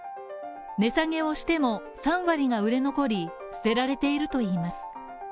値下げをしても、３割が売れ残り、捨てられているといいます。